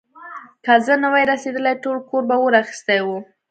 که زه نه وای رسېدلی، ټول کور به اور اخيستی و.